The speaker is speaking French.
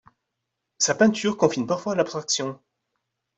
Sa peinture confine parfois à l'abstraction.